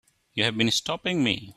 You have been stopping me.